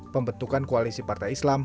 pembentukan koalisi partai islam